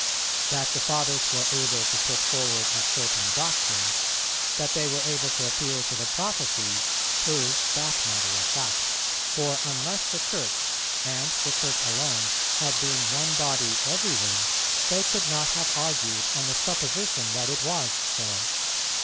That the Fathers were able to put forward a certain doctrine, that they were able to appeal to the prophecies, proves that matter of fact; for unless the Church, and the Church alone, had been one body everywhere, they could not have argued on the supposition that it was so.